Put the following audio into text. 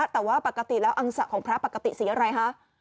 แต่ว่าปกติแล้วอังสะของพระปกติสีอะไรคะ